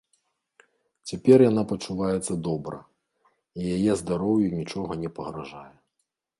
Цяпер яна пачуваецца добра, і яе здароўю нічога не пагражае.